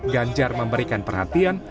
ganjar memberikan perhatian